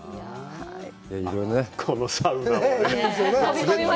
このサウナもね。